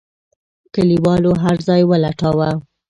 کليوالو هرځای ولټاوه.